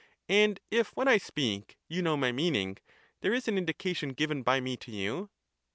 And if when I speak you know my meaning, there is an indication given by me to you?